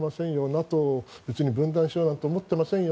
ＮＡＴＯを分断しようなんて思っていませんよ